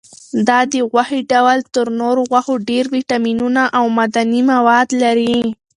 دا د غوښې ډول تر نورو غوښو ډېر ویټامینونه او معدني مواد لري.